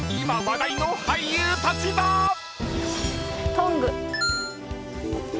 トング。